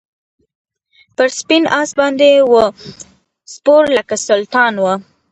پر سپین آس باندي وو سپور لکه سلطان وو